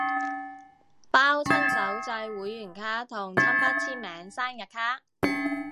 包親手製會員卡同親筆簽名生日卡